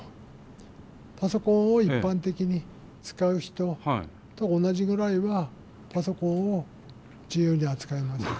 パソコンを一般的に使う人と同じぐらいはパソコンを自由に扱えます。